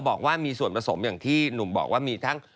บอกว่ามีส่วนผสมอย่างที่หนุ่มบอกว่ามีทั้ง